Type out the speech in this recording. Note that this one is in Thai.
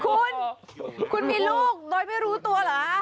คุณคุณมีลูกโดยไม่รู้ตัวเหรอ